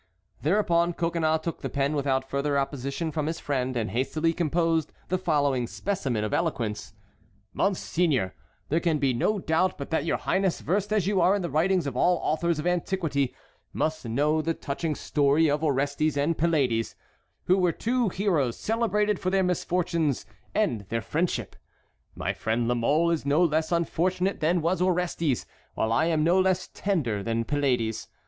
Thereupon Coconnas took the pen without further opposition from his friend and hastily composed the following specimen of eloquence: "Monseigneur: There can be no doubt but that your highness, versed as you are in the writings of all authors of antiquity, must know the touching story of Orestes and Pylades, who were two heroes celebrated for their misfortunes and their friendship. My friend La Mole is no less unfortunate than was Orestes, while I am no less tender than Pylades.